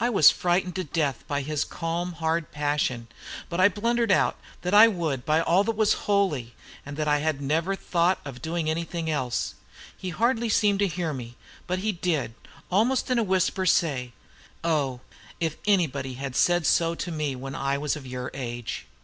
I was frightened to death by his calm, hard passion; but I blundered out that I would, by all that was holy, and that I had never thought of doing anything else. He hardly seemed to hear me; but he did, almost in a whisper, say: "O, if anybody had said so to me when I was of your age!"